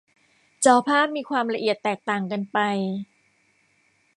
จอภาพมีความละเอียดแตกต่างกันไป